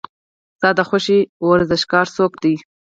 ستا د خوښې ورزشکار څوک دی؟